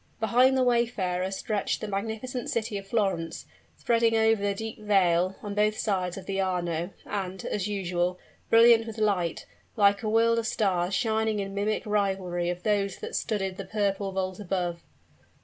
Behind the wayfarer stretched the magnificent city of Florence, spreading over the deep vale, on both sides of the Arno, and, as usual, brilliant with light, like a world of stars shining in mimic rivalry of those that studded the purple vault above.